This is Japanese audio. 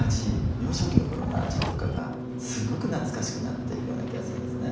幼少期の頃の味とかがすごく懐かしくなっていくような気がするんですね。